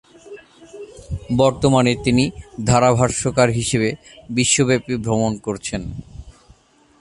বর্তমানে তিনি ধারাভাষ্যকার হিসেবে বিশ্বব্যাপী ভ্রমণ করছেন।